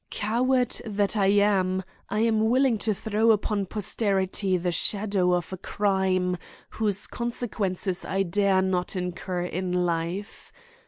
"Coward that I am, I am willing to throw upon posterity the shadow of a crime whose consequences I dare not incur in life.